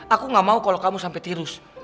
aku gak mau kalau kamu sampai virus